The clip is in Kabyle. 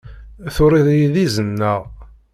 Turiḍ-iyi-d izen, naɣ?